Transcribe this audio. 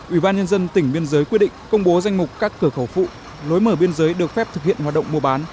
ủy ban nhân dân tỉnh biên giới quyết định công bố danh mục các cửa khẩu phụ lối mở biên giới được phép thực hiện hoạt động mua bán